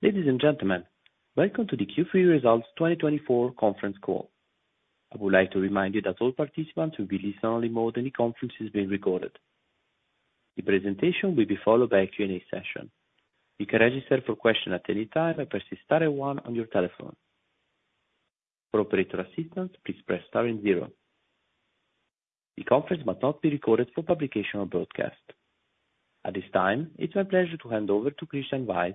Ladies and gentlemen, welcome to the Q3 Results 2024 conference call. I would like to remind you that all participants will be in listen-only mode, and the conference is being recorded. The presentation will be followed by a Q&A session. You can register for questions at any time and press star one on your telephone. For operator assistance, please press star zero. The conference must not be recorded for publication or broadcast. At this time, it's my pleasure to hand over to Christian Weiz,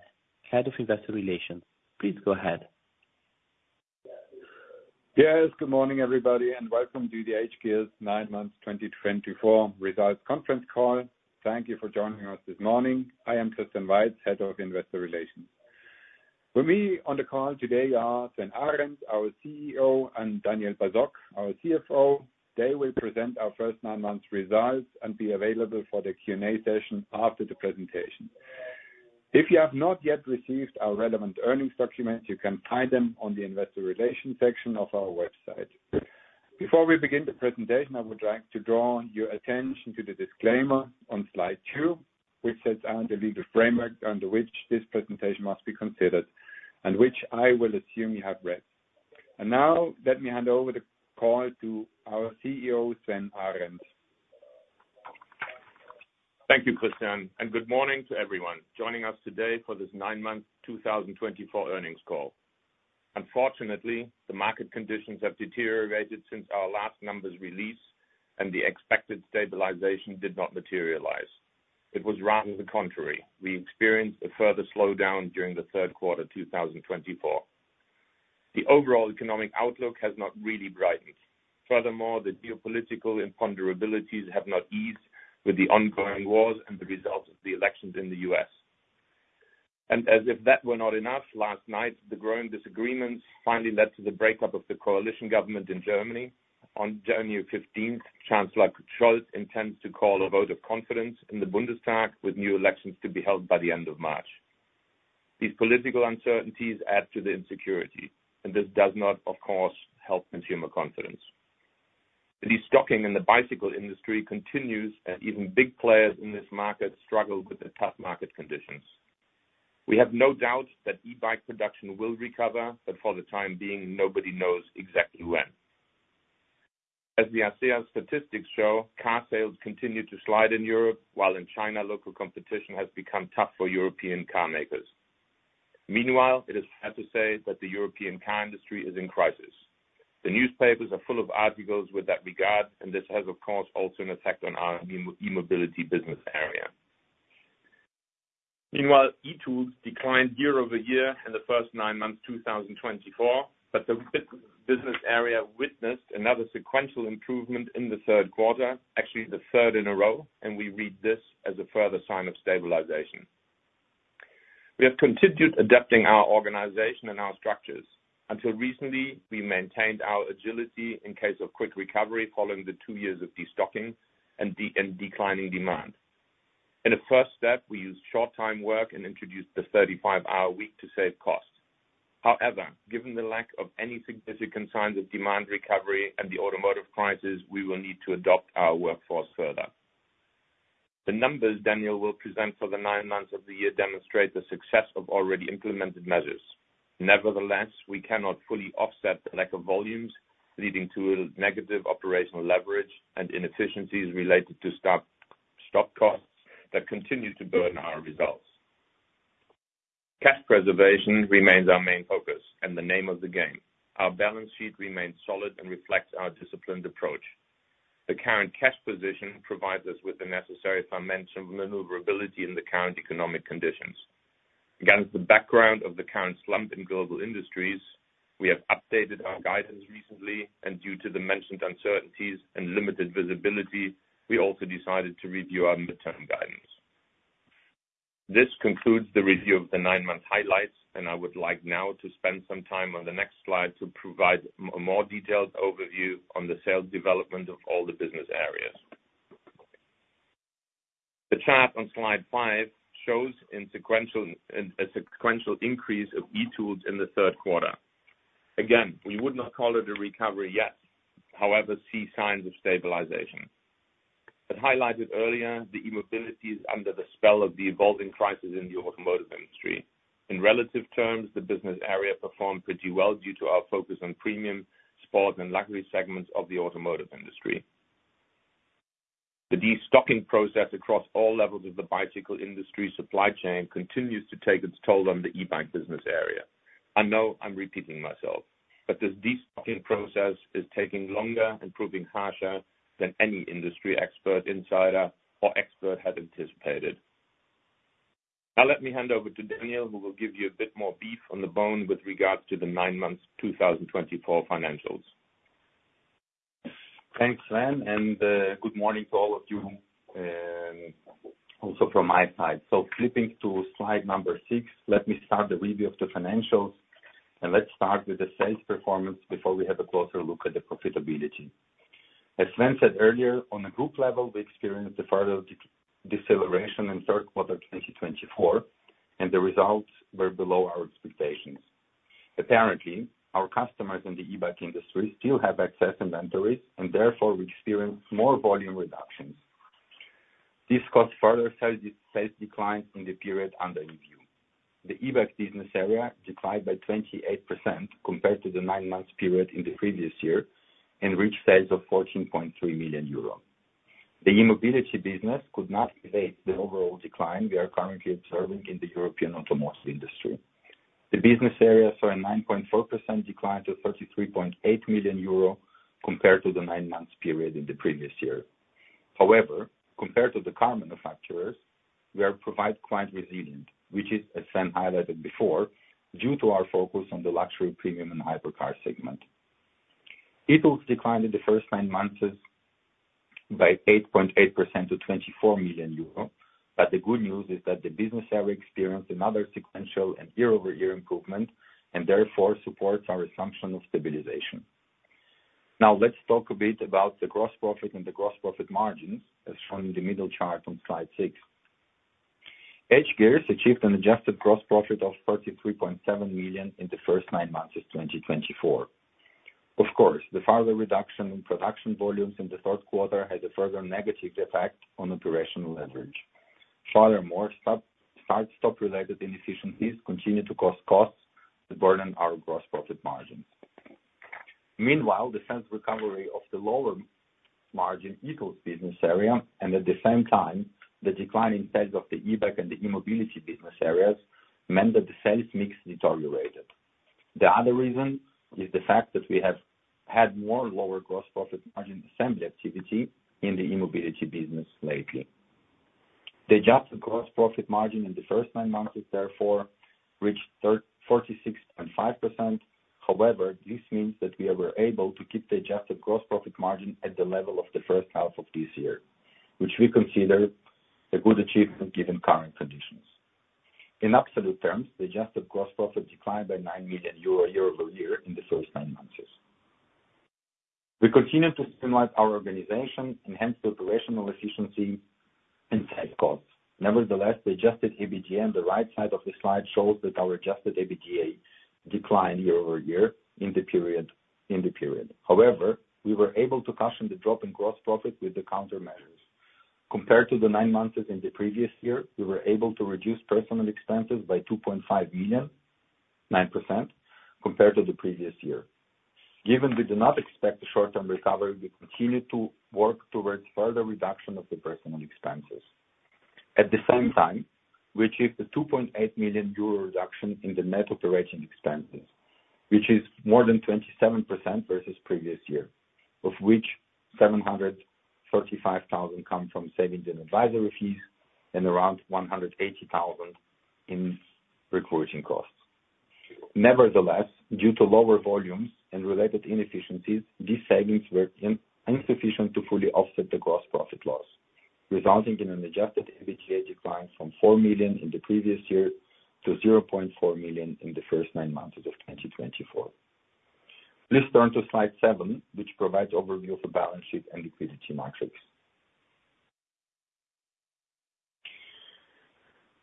Head of Investor Relations. Please go ahead. Yes, good morning, everybody, and welcome to the hGears nine-months 2024 results conference call. Thank you for joining us this morning. I am Christian Weiz, Head of Investor Relations. With me on the call today are Sven Arend, our CEO, and Daniel Basok, our CFO. They will present our first nine months results and be available for the Q&A session after the presentation. If you have not yet received our relevant earnings documents, you can find them on the Investor Relations section of our website. Before we begin the presentation, I would like to draw your attention to the disclaimer on slide two, which sets out the legal framework under which this presentation must be considered and which I will assume you have read. And now, let me hand over the call to our CEO, Sven Arend. Thank you, Christian, and good morning to everyone joining us today for this nine months 2024 earnings call. Unfortunately, the market conditions have deteriorated since our last numbers release, and the expected stabilization did not materialize. It was rather the contrary. We experienced a further slowdown during the third quarter 2024. The overall economic outlook has not really brightened. Furthermore, the geopolitical imponderabilities have not eased with the ongoing wars and the results of the elections in the U.S., and as if that were not enough, last night, the growing disagreements finally led to the breakup of the coalition government in Germany. On January 15th, Chancellor Scholz intends to call a vote of confidence in the Bundestag, with new elections to be held by the end of March. These political uncertainties add to the insecurity, and this does not, of course, help consumer confidence. Destocking in the bicycle industry continues, and even big players in this market struggle with the tough market conditions. We have no doubt that e-Bike production will recover, but for the time being, nobody knows exactly when. As the ACEA statistics show, car sales continue to slide in Europe, while in China, local competition has become tough for European car makers. Meanwhile, it is fair to say that the European car industry is in crisis. The newspapers are full of articles in that regard, and this has, of course, also an effect on our e-Mobility business area. Meanwhile, e-Tools declined year-over-year in the first nine months 2024, but the business area witnessed another sequential improvement in the third quarter, actually the third in a row, and we read this as a further sign of stabilization. We have continued adapting our organization and our structures. Until recently, we maintained our agility in case of quick recovery following the two years of destocking and declining demand. In a first step, we used short-term work and introduced the 35-hour week to save costs. However, given the lack of any significant signs of demand recovery and the automotive crisis, we will need to adapt our workforce further. The numbers Daniel will present for the nine months of the year demonstrate the success of already implemented measures. Nevertheless, we cannot fully offset the lack of volumes, leading to negative operational leverage and inefficiencies related to stock costs that continue to burn our results. Cash preservation remains our main focus and the name of the game. Our balance sheet remains solid and reflects our disciplined approach. The current cash position provides us with the necessary financial maneuverability in the current economic conditions. Against the background of the current slump in global industries, we have updated our guidance recently, and due to the mentioned uncertainties and limited visibility, we also decided to review our midterm guidance. This concludes the review of the nine-month highlights, and I would like now to spend some time on the next slide to provide a more detailed overview on the sales development of all the business areas. The chart on slide five shows a sequential increase of e-Tools in the third quarter. Again, we would not call it a recovery yet. However, we see signs of stabilization. As highlighted earlier, the e-Mobility is under the spell of the evolving crisis in the automotive industry. In relative terms, the business area performed pretty well due to our focus on premium, sport, and luxury segments of the automotive industry. The destocking process across all levels of the bicycle industry supply chain continues to take its toll on the e-Bike business area. I know I'm repeating myself, but this destocking process is taking longer and proving harsher than any industry expert, insider, or expert had anticipated. Now, let me hand over to Daniel, who will give you a bit more beef on the bone with regards to the nine-month 2024 financials. Thanks, Sven, and good morning to all of you also from my side. So flipping to slide number six, let me start the review of the financials, and let's start with the sales performance before we have a closer look at the profitability. As Sven said earlier, on a group level, we experienced a further deceleration in third quarter 2024, and the results were below our expectations. Apparently, our customers in the e-Bike industry still have excess inventories, and therefore, we experienced more volume reductions. This caused further sales declines in the period under review. The e-Bike business area declined by 28% compared to the nine-month period in the previous year and reached sales of 14.3 million euros. The e-Mobility business could not evade the overall decline we are currently observing in the European automotive industry. The business area saw a 9.4% decline to 33.8 million euro compared to the nine-month period in the previous year. However, compared to the car manufacturers, we are quite resilient, which is, as Sven highlighted before, due to our focus on the luxury, premium, and hypercar segment. e-Tools declined in the first nine months by 8.8% to 24 million euro, but the good news is that the business area experienced another sequential and year-over-year improvement and therefore supports our assumption of stabilization. Now, let's talk a bit about the gross profit and the gross profit margins, as shown in the middle chart on slide six. hGears achieved an adjusted gross profit of 33.7 million in the first nine months of 2024. Of course, the further reduction in production volumes in the third quarter had a further negative effect on operational leverage. Furthermore, start-stop-related inefficiencies continue to cause costs that burden our gross profit margins. Meanwhile, the sales recovery of the lower-margin e-Tools business area and, at the same time, the declining sales of the e-Bike and the e-Mobility business areas meant that the sales mix deteriorated. The other reason is the fact that we have had more lower-gross profit margin assembly activity in the e-Mobility business lately. The adjusted gross profit margin in the first nine months has therefore reached 46.5%. However, this means that we were able to keep the adjusted gross profit margin at the level of the first half of this year, which we consider a good achievement given current conditions. In absolute terms, the adjusted gross profit declined by 9 million euro year-over-year in the first nine months. We continue to streamline our organization and hence the operational efficiency and sales costs. Nevertheless, the Adjusted EBITDA on the right side of the slide shows that our Adjusted EBITDA declined year-over-year in the period. However, we were able to cushion the drop in gross profit with the countermeasures. Compared to the nine months in the previous year, we were able to reduce personnel expenses by 2.5 million, 9%, compared to the previous year. Given we do not expect a short-term recovery, we continue to work towards further reduction of the personnel expenses. At the same time, we achieved a 2.8 million euro reduction in the net operating expenses, which is more than 27% versus the previous year, of which 745,000 comes from savings in advisory fees and around 180,000 in recruiting costs. Nevertheless, due to lower volumes and related inefficiencies, these savings were insufficient to fully offset the gross profit loss, resulting in an Adjusted EBITDA decline from 4 million in the previous year to 0.4 million in the first nine months of 2024. Please turn to slide seven, which provides an overview of the balance sheet and liquidity metrics.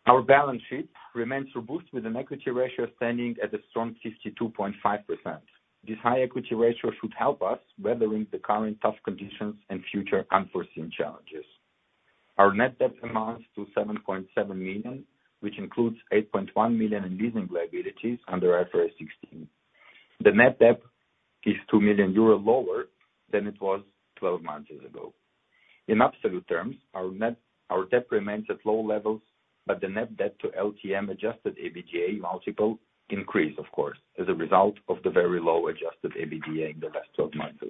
Our balance sheet remains robust, with an equity ratio standing at a strong 52.5%. This high equity ratio should help us weather the current tough conditions and future unforeseen challenges. Our net debt amounts to 7.7 million, which includes 8.1 million in leasing liabilities under IFRS 16. The net debt is 2 million euro lower than it was 12 months ago. In absolute terms, our net debt remains at low levels, but the net debt to LTM Adjusted EBITDA multiple increased, of course, as a result of the very low Adjusted EBITDA in the last 12 months.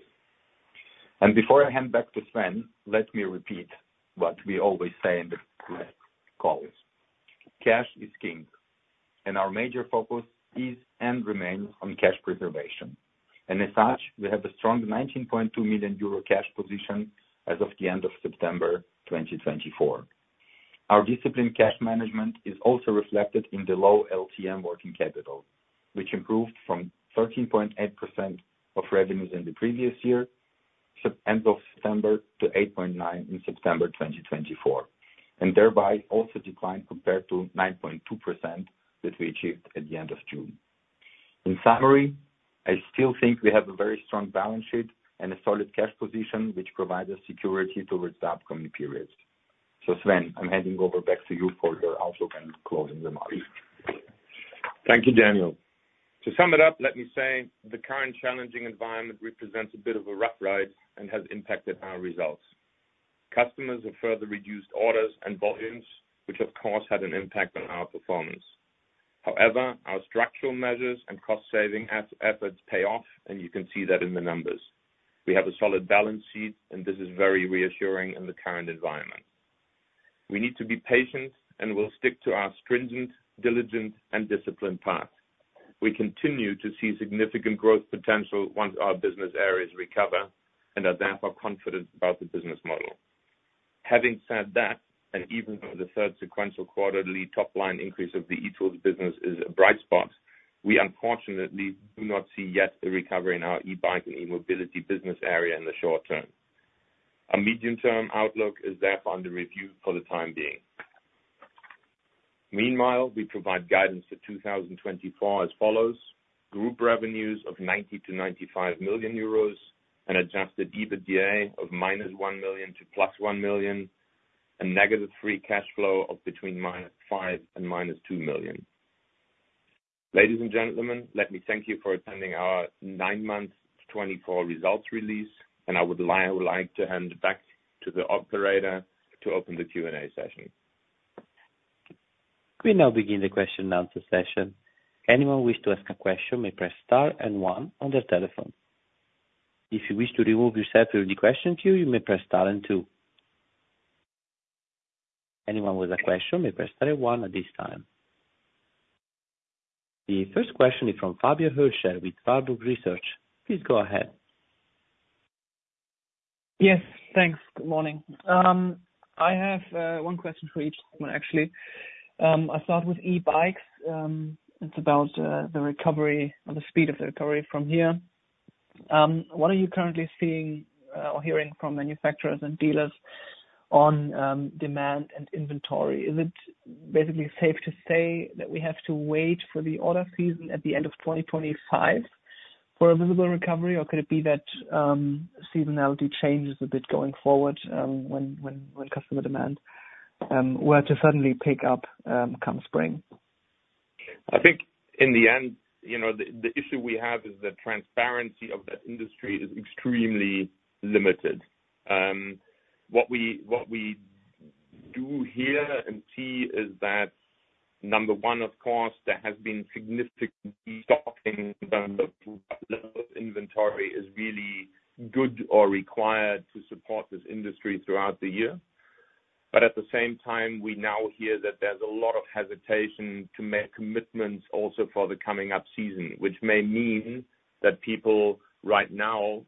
Before I hand back to Sven, let me repeat what we always say in the last calls. Cash is king, and our major focus is and remains on cash preservation. As such, we have a strong 19.2 million euro cash position as of the end of September 2024. Our disciplined cash management is also reflected in the low LTM working capital, which improved from 13.8% of revenues in the previous year's end of September to 8.9% in September 2024, and thereby also declined compared to 9.2% that we achieved at the end of June. In summary, I still think we have a very strong balance sheet and a solid cash position, which provides us security towards the upcoming periods, so Sven, I'm handing over back to you for your outlook and closing remarks. Thank you, Daniel. To sum it up, let me say the current challenging environment represents a bit of a rough ride and has impacted our results. Customers have further reduced orders and volumes, which, of course, had an impact on our performance. However, our structural measures and cost-saving efforts pay off, and you can see that in the numbers. We have a solid balance sheet, and this is very reassuring in the current environment. We need to be patient, and we'll stick to our stringent, diligent, and disciplined path. We continue to see significant growth potential once our business areas recover and are therefore confident about the business model. Having said that, and even though the third sequential quarterly top-line increase of the e-Tools business is a bright spot, we unfortunately do not see yet a recovery in our e-Bike and e-Mobility business area in the short-term. Our medium-term outlook is therefore under review for the time being. Meanwhile, we provide guidance for 2024 as follows: group revenues of 90-95 million euros, an adjusted EBITDA of -1 million- +1 million, and negative free cash flow of between -5 and -2 million. Ladies and gentlemen, let me thank you for attending our nine-month 2024 results release, and I would like to hand back to the operator to open the Q&A session. We now begin the question-and-answer session. Anyone who wishes to ask a question may press star and one on their telephone. If you wish to remove yourself during the question queue, you may press star and two. Anyone with a question may press star and one at this time. The first question is from Fabio Hölscher with Warburg Research. Please go ahead. Yes, thanks. Good morning. I have one question for each segment, actually. I'll start with e-Bikes. It's about the recovery and the speed of the recovery from here. What are you currently seeing or hearing from manufacturers and dealers on demand and inventory? Is it basically safe to say that we have to wait for the autumn season at the end of 2025 for a visible recovery, or could it be that seasonality changes a bit going forward when customer demand were to suddenly pick up come spring? I think, in the end, the issue we have is that the transparency of that industry is extremely limited. What we do hear and see is that, number one, of course, there has been significant stocking in terms of inventory is really good or required to support this industry throughout the year. But at the same time, we now hear that there's a lot of hesitation to make commitments also for the coming up season, which may mean that people right now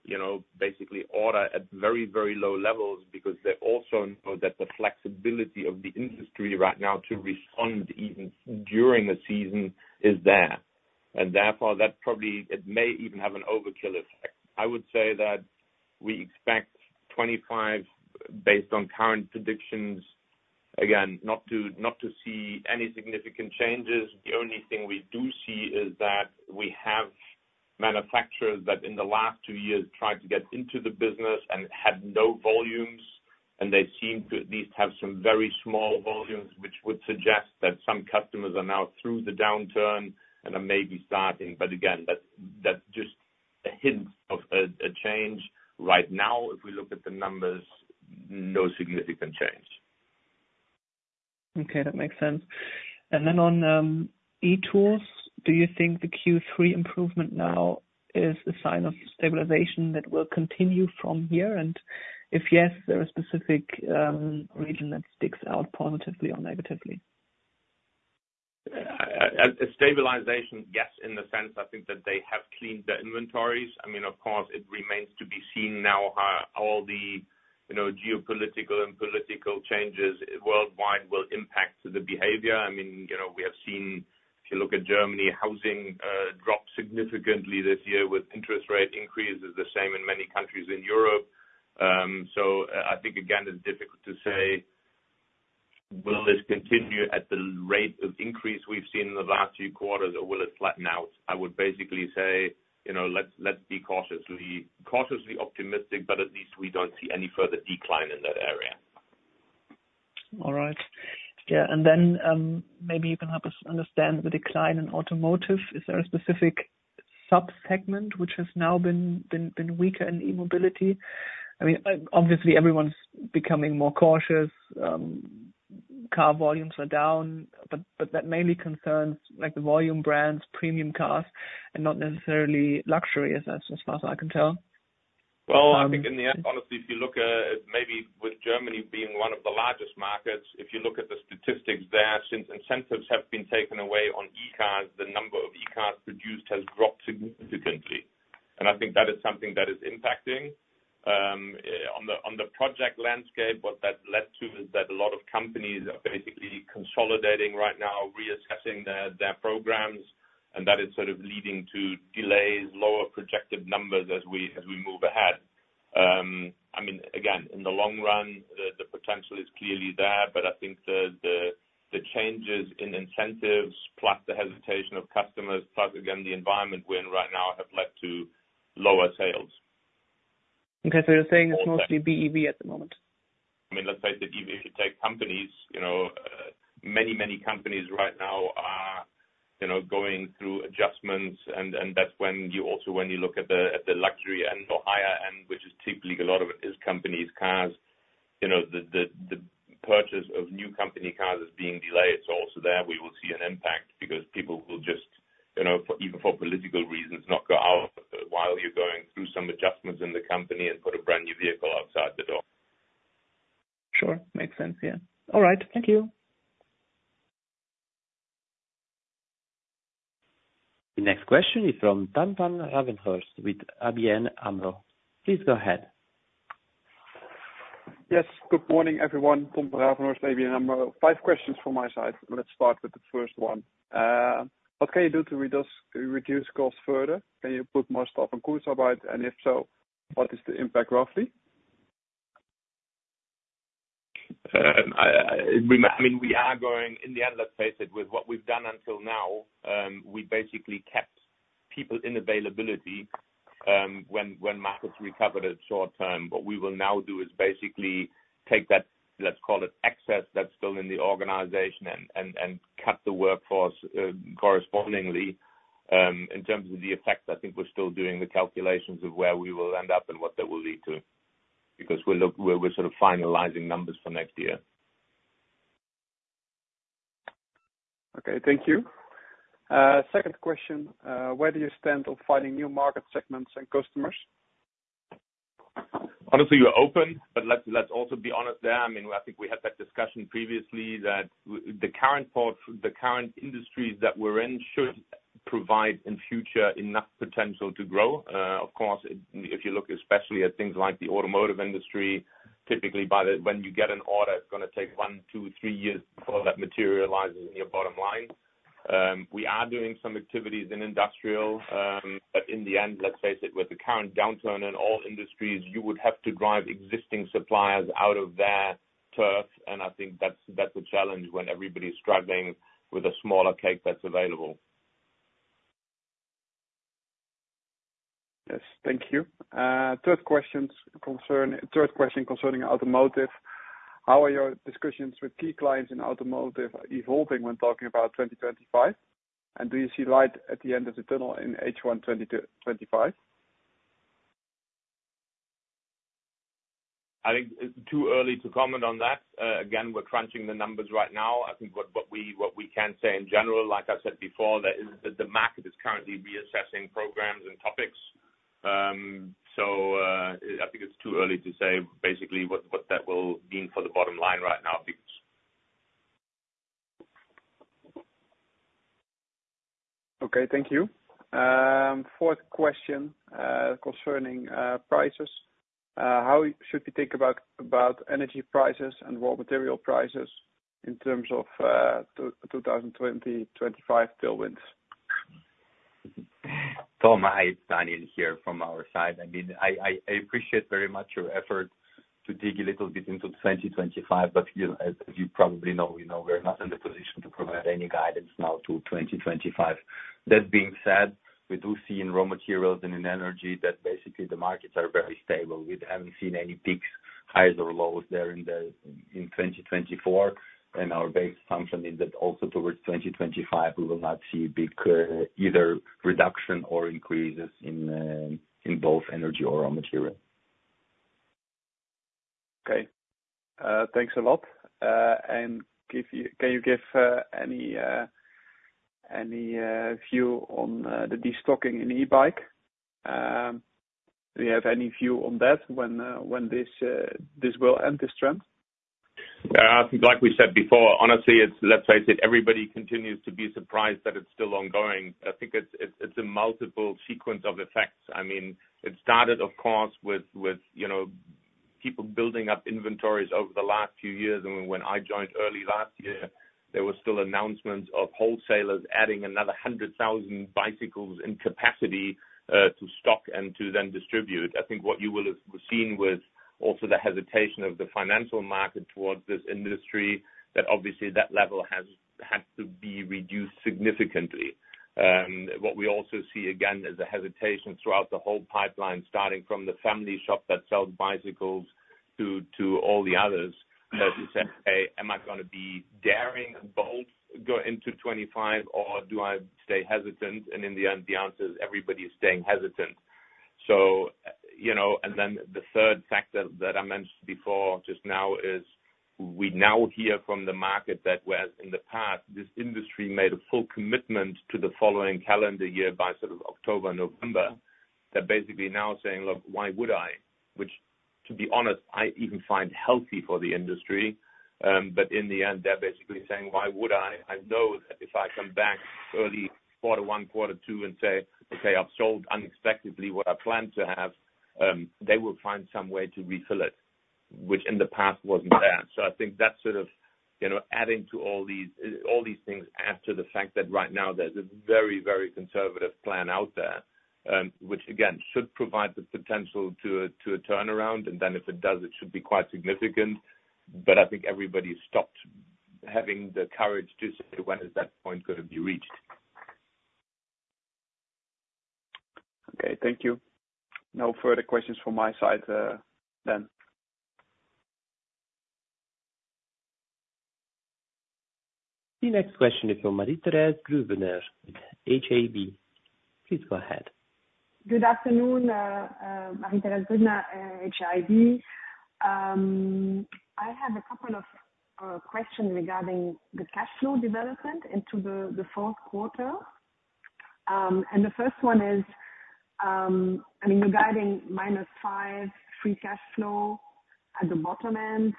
basically order at very, very low levels because they also know that the flexibility of the industry right now to respond even during the season is there. And therefore, that probably may even have an overkill effect. I would say that we expect 2025, based on current predictions, again, not to see any significant changes. The only thing we do see is that we have manufacturers that in the last two years tried to get into the business and had no volumes, and they seem to at least have some very small volumes, which would suggest that some customers are now through the downturn and are maybe starting, but again, that's just a hint of a change. Right now, if we look at the numbers, no significant change. Okay, that makes sense. And then on e-Tools, do you think the Q3 improvement now is a sign of stabilization that will continue from here? And if yes, is there a specific region that sticks out positively or negatively? Stabilization, yes, in the sense I think that they have cleaned their inventories. I mean, of course, it remains to be seen now how all the geopolitical and political changes worldwide will impact the behavior. I mean, we have seen, if you look at Germany, housing dropped significantly this year with interest rate increases, the same in many countries in Europe. So I think, again, it's difficult to say, will this continue at the rate of increase we've seen in the last few quarters, or will it flatten out? I would basically say, let's be cautiously optimistic, but at least we don't see any further decline in that area. All right. Yeah, and then maybe you can help us understand the decline in automotive. Is there a specific subsegment which has now been weaker in e-Mobility? I mean, obviously, everyone's becoming more cautious. Car volumes are down, but that mainly concerns the volume brands, premium cars, and not necessarily luxury, as far as I can tell. I think, in the end, honestly, if you look at maybe with Germany being one of the largest markets, if you look at the statistics there, since incentives have been taken away on e-cars, the number of e-cars produced has dropped significantly. I think that is something that is impacting. On the project landscape, what that led to is that a lot of companies are basically consolidating right now, reassessing their programs, and that is sort of leading to delays, lower projected numbers as we move ahead. I mean, again, in the long run, the potential is clearly there, but I think the changes in incentives, plus the hesitation of customers, plus, again, the environment we're in right now have led to lower sales. Okay, so you're saying it's mostly BEV at the moment? I mean, let's face it, even if you take companies, many, many companies right now are going through adjustments, and that's when you also when you look at the luxury end or higher end, which is typically a lot of it is companies' cars, the purchase of new company cars is being delayed. So also there, we will see an impact because people will just, even for political reasons, not go out while you're going through some adjustments in the company and put a brand new vehicle outside the door. Sure. Makes sense. Yeah. All right. Thank you. The next question is from Tom van Ravenhorst with ABN AMRO. Please go ahead. Yes. Good morning, everyone. Tom van Ravenhorst with ABN AMRO. Five questions from my side. Let's start with the first one. What can you do to reduce costs further? Can you put more stuff on Kurzarbeit? And if so, what is the impact roughly? I mean, we are going in the end, let's face it, with what we've done until now, we basically kept people in availability when markets recovered at short-term. What we will now do is basically take that, let's call it excess that's still in the organization and cut the workforce correspondingly. In terms of the effect, I think we're still doing the calculations of where we will end up and what that will lead to because we're sort of finalizing numbers for next year. Okay. Thank you. Second question. Where do you stand on finding new market segments and customers? Honestly, we're open, but let's also be honest there. I mean, I think we had that discussion previously that the current industries that we're in should provide in future enough potential to grow. Of course, if you look especially at things like the automotive industry, typically when you get an order, it's going to take one, two, three years before that materializes in your bottom line. We are doing some activities in industrial, but in the end, let's face it, with the current downturn in all industries, you would have to drive existing suppliers out of their turf, and I think that's a challenge when everybody's struggling with a smaller cake that's available. Yes. Thank you. Third question concerning automotive. How are your discussions with key clients in automotive evolving when talking about 2025? And do you see light at the end of the tunnel in the H1 2025? I think too early to comment on that. Again, we're crunching the numbers right now. I think what we can say in general, like I said before, the market is currently reassessing programs and topics. So I think it's too early to say basically what that will mean for the bottom line right now. Okay. Thank you. Fourth question concerning prices. How should we think about energy prices and raw material prices in terms of 2020-2025 tailwinds? Tom, I'm Daniel here from our side. I mean, I appreciate very much your effort to dig a little bit into 2025, but as you probably know, we're not in the position to provide any guidance now to 2025. That being said, we do see in raw materials and in energy that basically the markets are very stable. We haven't seen any peaks, highs or lows there in 2024. Our base assumption is that also towards 2025, we will not see a big either reduction or increases in both energy or raw material. Okay. Thanks a lot. And can you give any view on the destocking in e-Bike? Do you have any view on that when this will end, this trend? Like we said before, honestly, let's face it, everybody continues to be surprised that it's still ongoing. I think it's a multiple sequence of effects. I mean, it started, of course, with people building up inventories over the last few years. And when I joined early last year, there were still announcements of wholesalers adding another 100,000 bicycles in capacity to stock and to then distribute. I think what you will have seen was also the hesitation of the financial market towards this industry that obviously that level has had to be reduced significantly. What we also see again is a hesitation throughout the whole pipeline, starting from the family shop that sells bicycles to all the others, that you say, "Hey, am I going to be daring and bold to go into 2025, or do I stay hesitant?" And in the end, the answer is everybody is staying hesitant. And then the third factor that I mentioned before just now is we now hear from the market that whereas in the past, this industry made a full commitment to the following calendar year by sort of October and November, they're basically now saying, "Look, why would I?" Which, to be honest, I even find healthy for the industry. But in the end, they're basically saying, "Why would I?" I know that if I come back early, quarter one, quarter two, and say, "Okay, I've sold unexpectedly what I planned to have," they will find some way to refill it, which in the past wasn't there. So I think that's sort of adding to all these things after the fact that right now there's a very, very conservative plan out there, which, again, should provide the potential to a turnaround. And then if it does, it should be quite significant. But I think everybody stopped having the courage to say, "When is that point going to be reached? Okay. Thank you. No further questions from my side then. The next question is for Marie-Thérèse Grübner, HIB. Please go ahead.. Good afternoon, Marie-Thérèse Grübner, HIB. I have a couple of questions regarding the cash flow development into the fourth quarter. And the first one is, I mean, you're guiding -5 million free cash flow at the bottom end.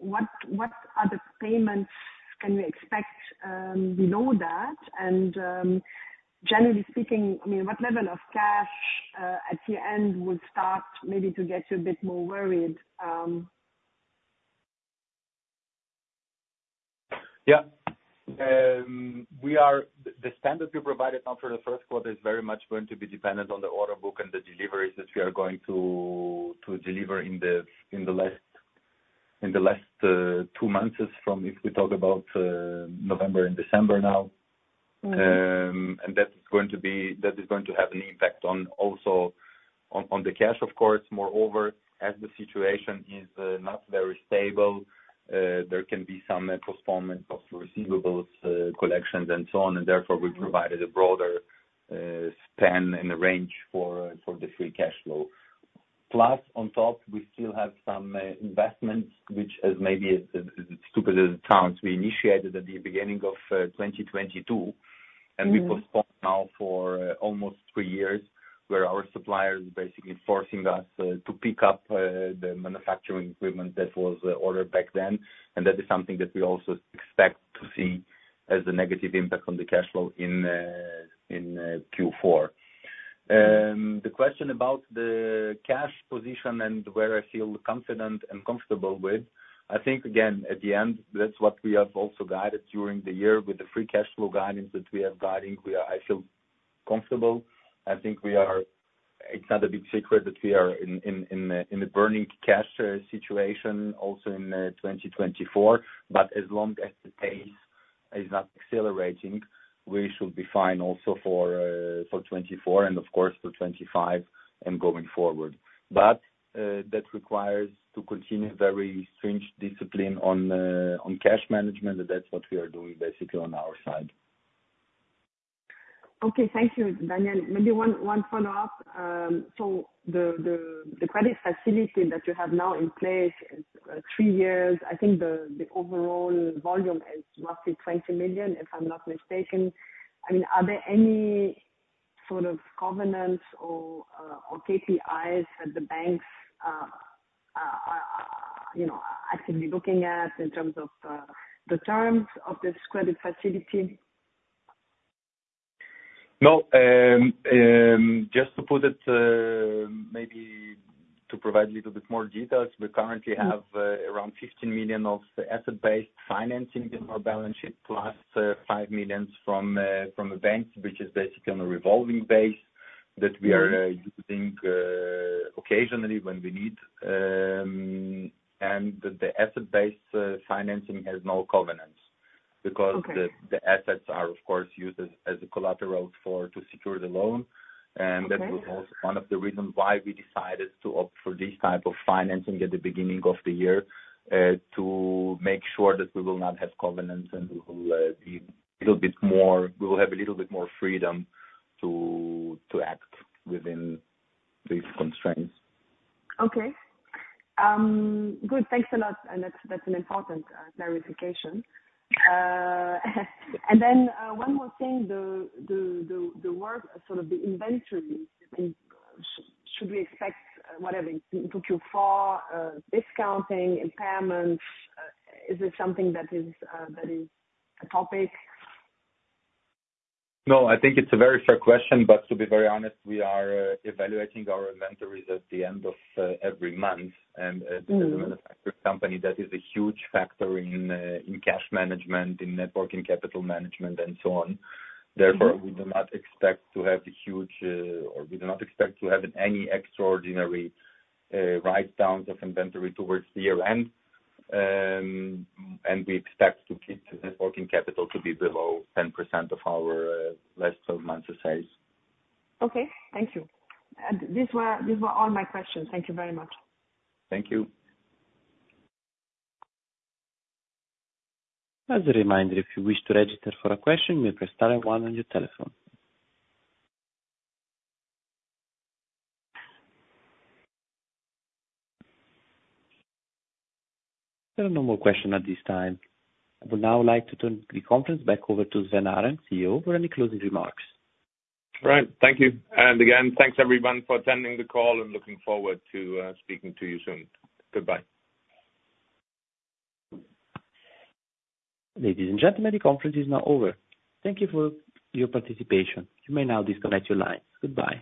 What other payments can we expect below that? And generally speaking, I mean, what level of cash at the end would start maybe to get you a bit more worried? Yeah. The standard we provided now for the first quarter is very much going to be dependent on the order book and the deliveries that we are going to deliver in the last two months, if we talk about November and December now. And that is going to have an impact also on the cash, of course. Moreover, as the situation is not very stable, there can be some postponement of receivables, collections, and so on. And therefore, we provided a broader span and a range for the free cash flow. Plus, on top, we still have some investments, which, as maybe stupid as it sounds, we initiated at the beginning of 2022, and we postponed now for almost three years, where our suppliers are basically forcing us to pick up the manufacturing equipment that was ordered back then. And that is something that we also expect to see as a negative impact on the cash flow in Q4. The question about the cash position and where I feel confident and comfortable with, I think, again, at the end, that's what we have also guided during the year with the free cash flow guidance that we are guiding. I feel comfortable. I think it's not a big secret that we are in a burning cash situation also in 2024. But as long as the pace is not accelerating, we should be fine also for 2024 and, of course, for 2025 and going forward. But that requires to continue very stringent discipline on cash management, and that's what we are doing basically on our side. Okay. Thank you, Daniel. Maybe one follow-up. So the credit facility that you have now in place is three years. I think the overall volume is roughly 20 million, if I'm not mistaken. I mean, are there any sort of covenants or KPIs that the banks are actively looking at in terms of the terms of this credit facility? No. Just to put it, maybe to provide a little bit more details, we currently have around 15 million of asset-based financing in our balance sheet, plus 5 million from advances, which is basically on a revolving basis that we are using occasionally when we need. And the asset-based financing has no covenants because the assets are, of course, used as collateral to secure the loan. And that was also one of the reasons why we decided to opt for this type of financing at the beginning of the year to make sure that we will not have covenants and we will have a little bit more freedom to act within these constraints. Okay. Good. Thanks a lot. And that's an important clarification. And then one more thing, the work, sort of the inventory, should we expect whatever in Q4, discounting, impairments? Is it something that is a topic? No. I think it's a very fair question, but to be very honest, we are evaluating our inventories at the end of every month, and as a manufacturing company, that is a huge factor in cash management, in net working capital management, and so on. Therefore, we do not expect to have any extraordinary write-downs of inventory towards the year end, and we expect to keep the net working capital to be below 10% of our last 12 months of sales. Okay. Thank you. These were all my questions. Thank you very much. Thank you. As a reminder, if you wish to register for a question, you may press star and one on your telephone. There are no more questions at this time. I would now like to turn the conference back over to Sven Arend, CEO, for any closing remarks. All right. Thank you. And again, thanks everyone for attending the call and looking forward to speaking to you soon. Goodbye. Ladies and gentlemen, the conference is now over. Thank you for your participation. You may now disconnect your lines. Goodbye.